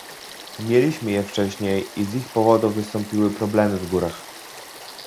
Mieliśmy je wcześniej i z ich powodu wystąpiły problemy w górach